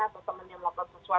atau temannya mau ke pesawat